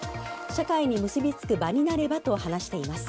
社会に結び付く場になればと話しています。